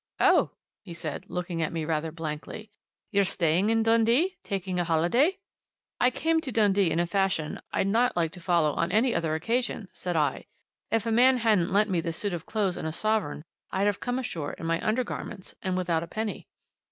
"Oh!" he said, looking at me rather blankly. "You're staying in Dundee taking a holiday?" "I came to Dundee in a fashion I'd not like to follow on any other occasion!" said I. "If a man hadn't lent me this suit of clothes and a sovereign, I'd have come ashore in my undergarments and without a penny."